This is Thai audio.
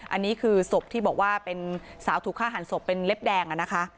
อันนี้คือศพที่บอกว่าเป็นสาวถูกฆ่าหันศพเป็นเล็บแดงนะคะ